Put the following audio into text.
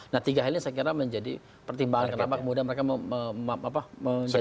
nah tiga hal ini saya kira menjadi pertimbangan kenapa kemudian mereka menjadi